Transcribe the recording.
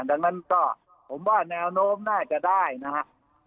ดังนั้นก็ผมว่าแนวโน้มน่าจะได้นะครับ